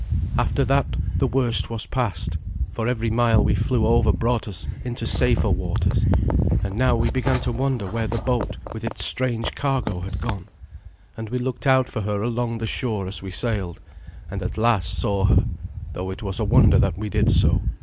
After that the worst was past, for every mile we flew over brought us into safer waters; and now we began to wonder where the boat with its strange cargo had gone, and we looked out for her along the shore as we sailed, and at last saw her, though it was a wonder that we did so.